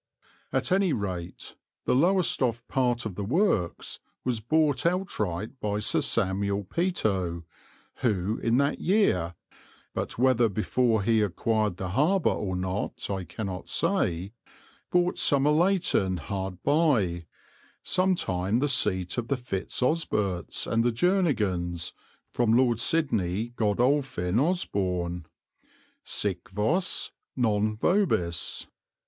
At any rate, the Lowestoft part of the works was bought outright by Sir Samuel Peto, who in that year but whether before he acquired the harbour or not I cannot say bought Somerleyton hard by, some time the seat of the Fitz Osberts and the Jernigans, from Lord Sidney Godolphin Osborne. _Sic vos, non vobis.